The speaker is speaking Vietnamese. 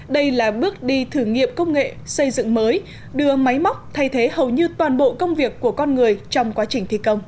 đây là bước đi thử nghiệm công nghệ xây dựng mới đưa máy móc thay thế hầu như toàn bộ công việc của con người trong quá trình thi công